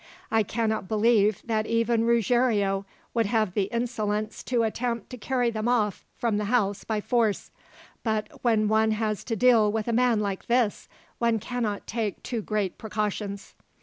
I cannot believe that even Ruggiero would have the insolence to attempt to carry them off from the house by force; but when one has to deal with a man like this, one cannot take too great precautions."